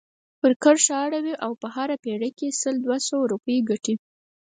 پر کرښه اړوي او په هره پيره کې سل دوه سوه روپۍ ګټي.